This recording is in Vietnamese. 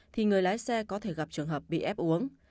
thì người lái xe có thể gặp trường hợp bị ép uống